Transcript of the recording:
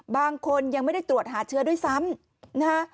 บางคนยังไม่ได้ตรวจหาเชื้อด้วยซ้ำนะฮะ